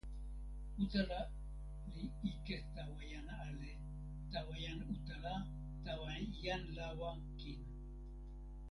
utala li ike tawa jan ale, tawa jan utala, tawa jan lawa kin.